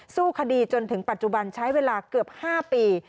สู้คดีจนถึงปัจจุบันใช้เวลาเกือบ๕ปี